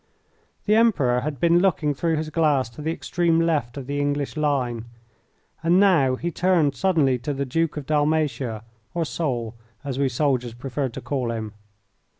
The Emperor had been looking through his glass to the extreme left of the English line, and now he turned suddenly to the Duke of Dalmatia, or Soult, as we soldiers preferred to call him.